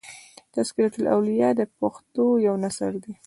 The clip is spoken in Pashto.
" تذکرة الاولیاء" د پښتو یو نثر دﺉ.